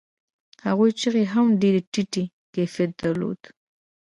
هغو چيغو هم ډېر ټيټ کيفيت درلود.